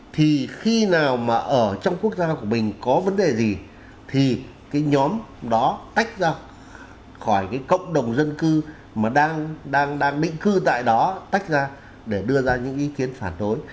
thì khi nào mà ở trong quốc gia của mình có vấn đề gì thì cái nhóm đó tách ra khỏi cái cộng đồng dân cư mà đang định cư tại đó tách ra để đưa ra những ý kiến phản đối